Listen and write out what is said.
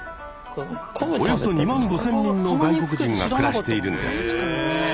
およそ２万５，０００人の外国人が暮らしているんです。